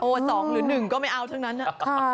๒หรือ๑ก็ไม่เอาทั้งนั้น